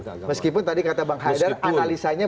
meskipun tadi kata bang haidar analisanya